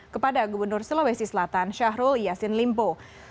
kepada gubernur sulawesi selatan syahrul yassin limpo